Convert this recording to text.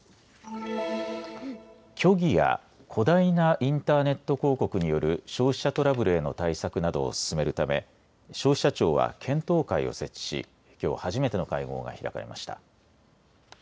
虚偽や誇大なインターネット広告による消費者トラブルへの対策などを進めるため消費者庁は検討会を設置しきょう初めての会合が開かれました。